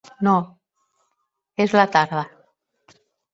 No, és a la tarda.